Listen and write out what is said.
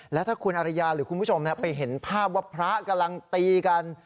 แล้วถ้าคุณอริยาหรือคุณผู้ชมไปเห็นภาพว่าพระกำลังตีกัน